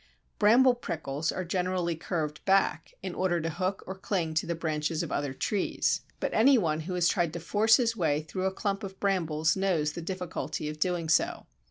Bramble prickles are generally curved back in order to hook or cling to the branches of other trees, but any one who has tried to force his way through a clump of brambles knows the difficulty of doing so.